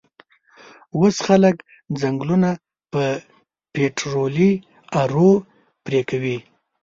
وس خلک ځنګلونه په پیټررولي ارو پیرکوی